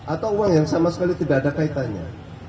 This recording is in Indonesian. atau uang yang sama sekali tidak ada kaitannya